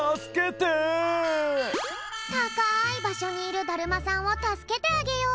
たかいばしょにいるだるまさんをたすけてあげよう！